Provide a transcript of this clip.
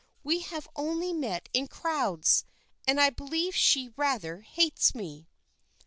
We have only met in crowds, and I believe she rather hates me."